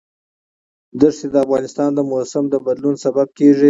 دښتې د افغانستان د موسم د بدلون سبب کېږي.